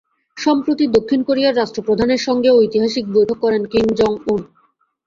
সম্প্রতি দক্ষিণ কোরিয়ার রাষ্ট্রপ্রধানের সঙ্গেও ঐতিহাসিক বৈঠক করেন কিম জং উন।